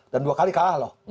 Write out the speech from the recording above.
dan dua kali kalah loh